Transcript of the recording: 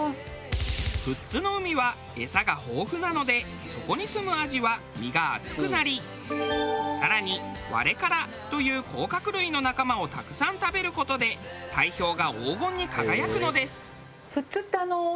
富津の海はエサが豊富なのでそこにすむアジは身が厚くなり更にワレカラという甲殻類の仲間をたくさん食べる事で体表が黄金に輝くのです。